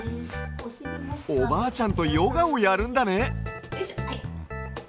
おばあちゃんとヨガをやるんだね。